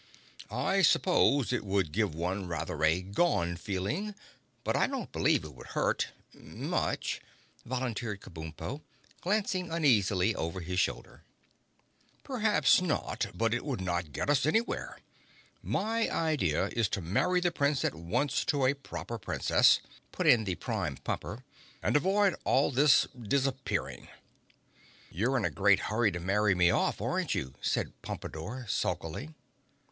"I suppose it would give one rather a gone feeling, but I don't believe it would hurt—much!" volunteered Kabumpo, glancing uneasily over his shoulder. "Perhaps not, but it would not get us anywhere. My idea is to marry the Prince at once to a Proper Princess," put in the Prime Pumper, "and avoid all this disappearing." "You're in a great hurry to marry me off, aren't you," said Pompadore sulkily.